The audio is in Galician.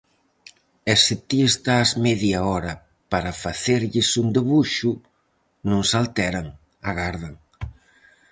E se ti estás media hora para facerlles un debuxo, non se alteran, agardan.